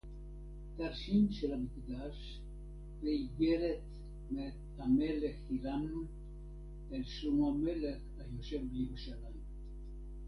תַּרְשִׁים שֶׁל מִקְדָּשׁ וְאִגֶּרֶת מֵעִם הַמֶּלֶךְ חִירָם אֶל שְׁלֹמֹה הַמֶּלֶךְ הַיּוֹשֵׁב בִּירוּשָׁלַיִם